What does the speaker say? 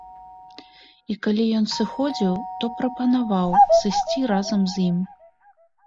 І калі ён сыходзіў, то прапанаваў сысці разам з ім.